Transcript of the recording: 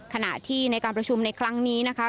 ขณะที่ในการประชุมในครั้งนี้นะคะ